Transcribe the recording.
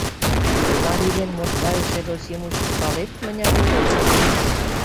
Но марий ден мордва эше Россий мучко, палет, мыняр улыт?